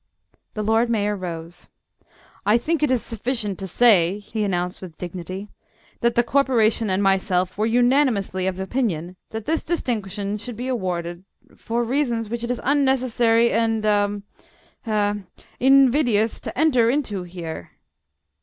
The Lord Mayor rose. "I think it sufficient to say," he announced with dignity, "that the Corporation and myself were unanimously of opinion that this distinction should be awarded for reasons which it is unnecessary and hum ha invidious to enter into here."